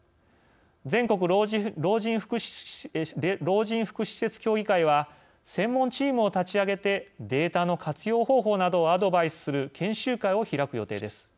全国老人福祉施設協議会は専門チームを立ち上げてデータの活用方法などをアドバイスする研修会を開く予定です。